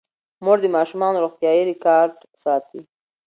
مور د ماشومانو روغتیايي ریکارډ ساتي.